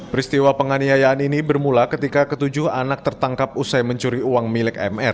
peristiwa penganiayaan ini bermula ketika ketujuh anak tertangkap usai mencuri uang milik mr